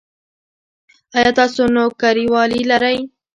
ایا تاسو نوکریوالي لرئ؟